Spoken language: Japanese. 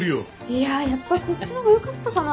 いややっぱこっちの方がよかったかな。